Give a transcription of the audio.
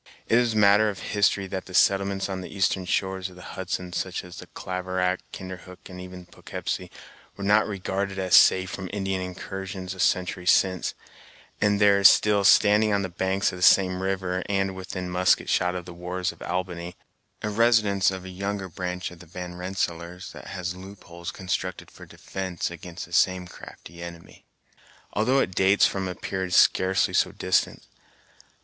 It is matter of history that the settlements on the eastern shores of the Hudson, such as Claverack, Kinderhook, and even Poughkeepsie, were not regarded as safe from Indian incursions a century since; and there is still standing on the banks of the same river, and within musket shot of the wharves of Albany, a residence of a younger branch of the Van Rensselaers, that has loopholes constructed for defence against the same crafty enemy, although it dates from a period scarcely so distant.